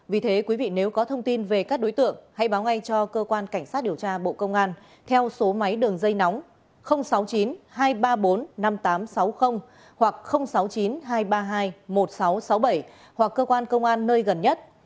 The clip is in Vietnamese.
vì thế quý vị nếu có thông tin về các đối tượng hãy báo ngay cho cơ quan cảnh sát điều tra bộ công an theo số máy đường dây nóng sáu mươi chín hai trăm ba mươi bốn năm nghìn tám trăm sáu mươi hoặc sáu mươi chín hai trăm ba mươi hai một nghìn sáu trăm sáu mươi bảy hoặc cơ quan công an nơi gần nhất